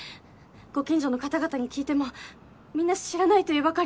ご近所の方々に聞いてもみんな「知らない」と言うばかりで。